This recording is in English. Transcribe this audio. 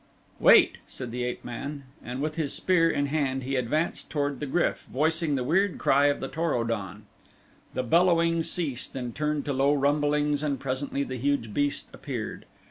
"Wait," said the ape man, and with his spear in hand he advanced toward the GRYF, voicing the weird cry of the Tor o don. The bellowing ceased and turned to low rumblings and presently the huge beast appeared.